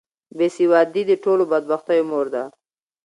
بې سوادي د ټولو بدبختیو مور ده.